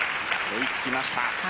追いつきました。